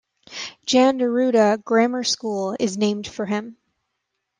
Jan Neruda Grammar School is named for him.